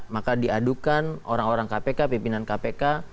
maka diadukan orang orang kpk pimpinan kpk